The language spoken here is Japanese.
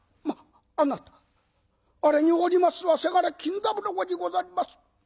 「まっあなたあれにおりますはせがれ金三郎にござります」。